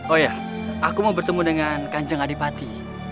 oh ya aku mau bertemu dengan kanjeng adipati